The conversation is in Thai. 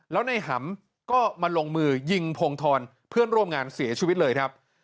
แล้วในหำก็มาลงมือยิงพงธรเพื่อนร่วมงานเสียชีวิตเลยครับ